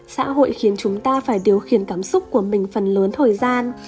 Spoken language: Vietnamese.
xã hội khiến chúng ta phải điều khiển cảm xúc của mình phần lớn thời gian